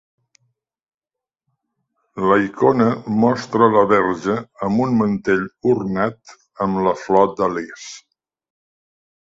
La icona mostra la Verge amb un mantell ornat amb la flor de lis.